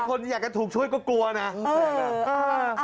คนอยากจะถูกช่วยก็กลัวนะ